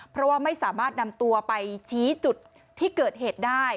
เพราะว่าไม่สามารถนำตัวไปชี้จุดที่เกิดเหตุได้